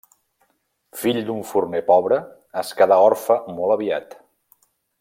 Fill d'un forner pobre, es quedà orfe molt aviat.